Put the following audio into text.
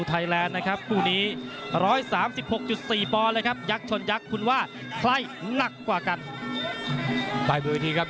ทั้งกุผู้เป็นมวยรุ่นใหญ่ครับ